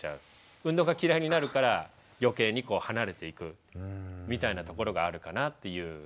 運動が嫌いになるから余計に離れていくみたいなところがあるかなっていう感じがします。